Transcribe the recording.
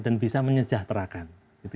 dan bisa menyejahterakan